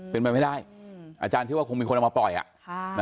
เป็นไปไม่ได้อาจารย์เชื่อว่าคงมีคนเอามาปล่อยอ่ะค่ะ